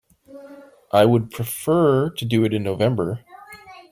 I would prefer to do it in November.